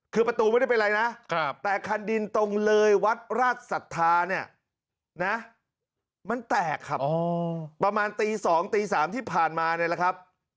คือประตูไม่ได้เป็นอะไรนะแต่คันดินตรงเลยวัดราชศรัทธาเนี่ยนะมันแตกครับประมาณตี๒ตี๓ที่ผ่านมานี่แหละครับ